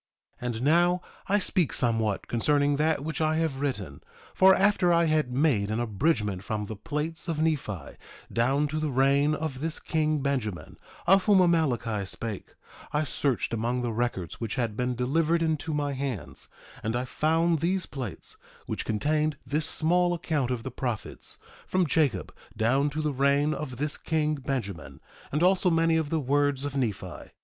1:3 And now, I speak somewhat concerning that which I have written; for after I had made an abridgment from the plates of Nephi, down to the reign of this king Benjamin, of whom Amaleki spake, I searched among the records which had been delivered into my hands, and I found these plates, which contained this small account of the prophets, from Jacob down to the reign of this king Benjamin, and also many of the words of Nephi.